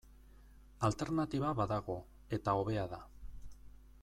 Alternatiba badago, eta hobea da.